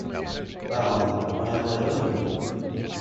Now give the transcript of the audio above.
Well, what have I done?